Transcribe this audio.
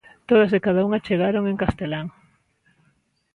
Todas e cada unha chegaron en castelán.